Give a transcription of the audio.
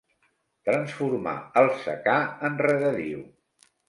Transformar el secà en regadiu.